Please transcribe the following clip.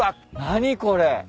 何これ。